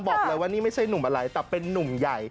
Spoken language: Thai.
บอกเลยว่านี่ไม่ใช่หนุ่มอะไรแต่เป็นนุ่มใหญ่